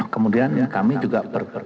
kemudian kami juga